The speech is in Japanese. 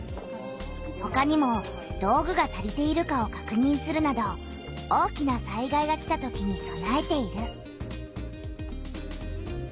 ほかにも道具が足りているかをかくにんするなど大きな災害が来たときにそなえている。